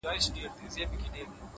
o ستا د ميني پـــه كـــورگـــي كـــــي؛